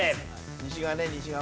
西側ね西側。